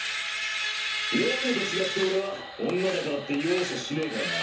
ヨウムと違って俺は女だからって容赦しねえからな。